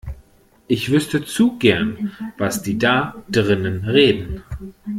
Ich wüsste zu gern, was die da drinnen reden.